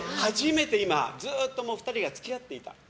ずっと２人が付き合っていた。